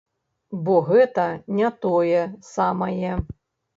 Бо гэта не тое самае.